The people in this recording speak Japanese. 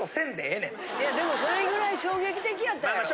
いやでもそれぐらい衝撃的やったんやろ。